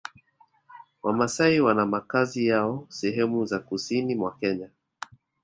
Wamasai wana makazi yao sehemu za Kusini mwa Kenya